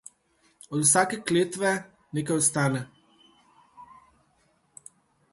Od vsake klevete nekaj ostane.